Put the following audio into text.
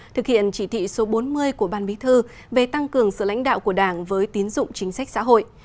thực hiện chỉ thị số bốn mươi của ban bí thư về tăng cường sự lãnh đạo của đảng với tín dụng chính sách xã hội